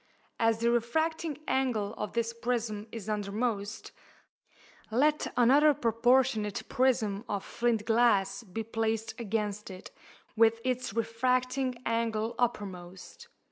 As the refracting angle of this prism is undermost, let another proportionate prism of flint glass be placed against it, with its refracting angle uppermost.